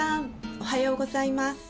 おはようございます。